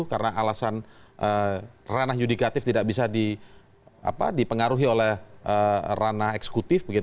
karena alasan ranah yudikatif tidak bisa dipengaruhi oleh ranah eksekutif